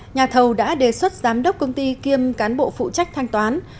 nhà thầu đã đề xuất giám đốc công ty kiêm cán bộ phụ trách thanh toán